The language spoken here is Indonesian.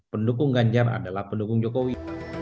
pendukung ganjar adalah pendukung jokowi